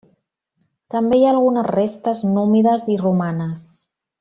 També hi ha algunes restes númides i romanes.